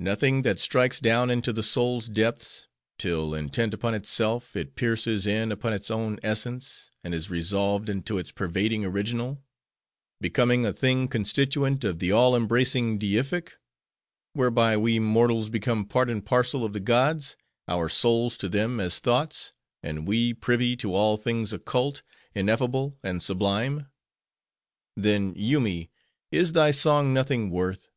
nothing that strikes down into the soul's depths; till, intent upon itself, it pierces in upon its own essence, and is resolved into its pervading original; becoming a thing constituent of the all embracing deific; whereby we mortals become part and parcel of the gods; our souls to them as thoughts; and we privy to all things occult, ineffable, and sublime? Then, Yoomy, is thy song nothing worth.